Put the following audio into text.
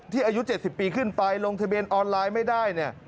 อายุ๗๐ปีขึ้นไปลงทะเบียนออนไลน์ไม่ได้เนี่ย